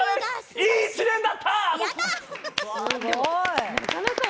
いい１年だった！